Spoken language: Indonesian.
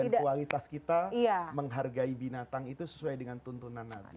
dan kualitas kita menghargai binatang itu sesuai dengan tuntunan nabi